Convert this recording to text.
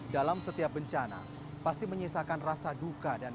dalam setiap bencana pasti menyisakan rasa duka dan